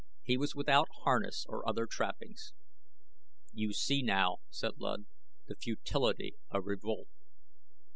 He was without harness or other trappings. "You see now," said Luud, "the futility of revolt."